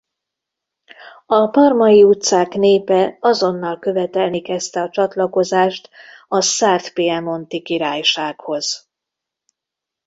A parmai utcák népe azonnal követelni kezdte a csatlakozást a Szárd–Piemonti Királysághoz.